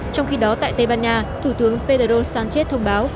trong khi đó tại tây ban nha thủ tướng pedro sánchez thông báo